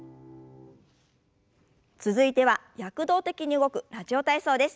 続いては躍動的に動く「ラジオ体操」です。